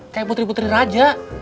kayak putri putri raja